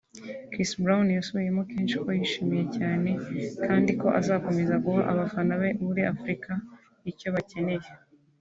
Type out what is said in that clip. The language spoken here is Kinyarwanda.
Chris Brown yasubiyemo kenshi ko ‘yishimye cyane kandi ko azakomeza guha abafana be muri Afurika icyo bakeneye